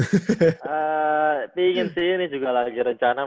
tingin sih ini juga lagi rencana